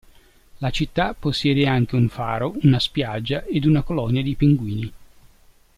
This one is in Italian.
La città possiede anche un faro, una spiaggia ed una colonia di pinguini.